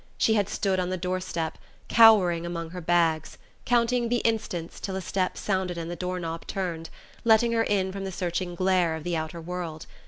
She had stood on the door step, cowering among her bags, counting the instants till a step sounded and the door knob turned, letting her in from the searching glare of the outer world....